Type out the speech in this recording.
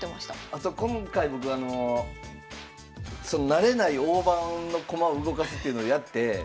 あと今回僕あの慣れない大盤の駒を動かすっていうのやって分かりました。